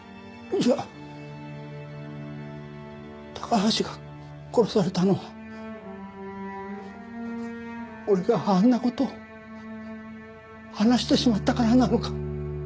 じゃあ高橋が殺されたのは俺があんな事を話してしまったからなのか？